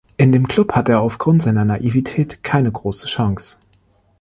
In dem Club hat er aufgrund seiner Naivität keine große Chance.